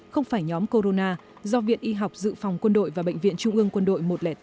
không phải nhóm corona do viện y học dự phòng quân đội và bệnh viện trung ương quân đội một trăm linh tám